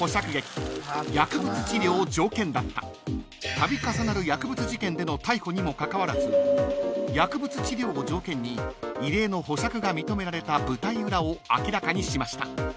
［度重なる薬物事件での逮捕にもかかわらず薬物治療を条件に異例の保釈が認められた舞台裏を明らかにしました］